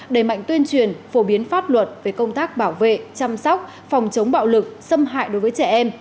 đẩy mạnh tuyên truyền phổ biến pháp luật về công tác bảo vệ chăm sóc phòng chống bạo lực xâm hại đối với trẻ em